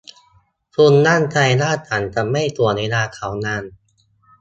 คุณมั่นใจว่าฉันจะไม่ถ่วงเวลาเขานาน